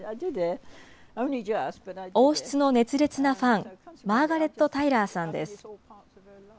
王室の熱烈なファン、マーガレット・タイラーさんです。